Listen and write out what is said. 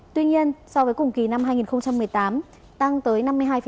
tuy nhiên so với cùng kỳ năm hai nghìn một mươi tám tăng tới năm mươi hai